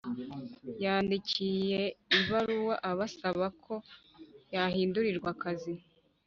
yandikiye ibaruwa abasaba ko yahindurirwa akazi